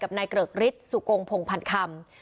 กับนายเกริกฤทธิ์สุกรกพองพันคำ